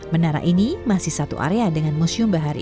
menara ini masih satu area dengan museum bahari